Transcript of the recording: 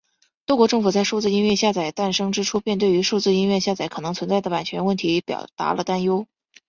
多国政府在数字音乐下载诞生之初便对于数字音乐下载可能存在的版权问题表达了担忧。